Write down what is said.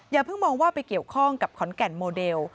อย่าเพิ่งมองว่าไปเกี่ยวข้องกับขอนแก่นโมเดล